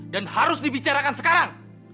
dan harus dibicarakan sekarang